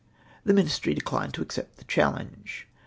The Ministry declined to ac cept the challenge.